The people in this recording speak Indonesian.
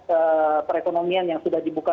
perekonomian yang sudah dibuka